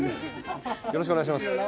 よろしくお願いします。